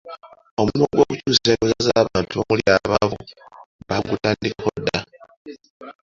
Omulimu gw’okukyusa endowooza z’abantu omuli abaavu bagutandikako dda.